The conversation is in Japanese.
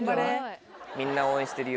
みんな応援してるよ。